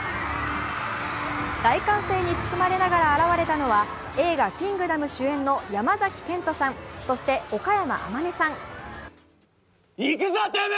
大歓声に包まれながら現れたのは映画「キングダム」主演の山崎賢人さんそして岡山天音さん。